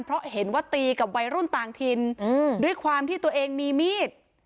เพราะเห็นว่าตีกับวัยรุ่นต่างถิ่นด้วยความที่ตัวเองมีมีด